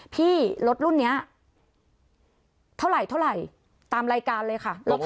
พี่รถรุ่นนี้เท่าไหร่เท่าไหร่ตามรายการเลยค่ะ